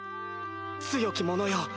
強き者よ